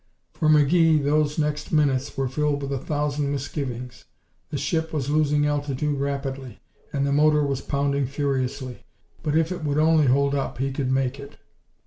For McGee those next minutes were filled with a thousand misgivings. The ship was losing altitude rapidly, and the motor was pounding furiously, but if it would only hold up he could make it.